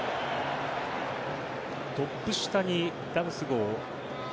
トップ下にダムスゴー。